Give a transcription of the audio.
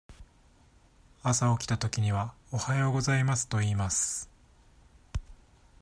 朝起きたときには「おはようございます」と言います。